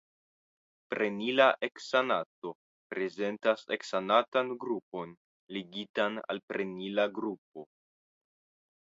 Prenila heksanato prezentas heksanatan grupon ligitan al prenila grupo.